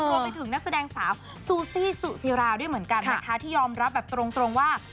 รวมไปถึงนักแสดงสาวซูซี่สุซิราด้วยเหมือนกันนะคะที่ยอมรับแบบตรงว่า